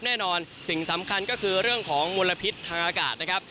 แน่นอนสิ่งสำคัญก็คือเรื่องของมลพิษทางอากาศนะครับ